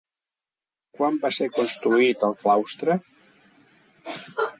Quan va ser construït el claustre?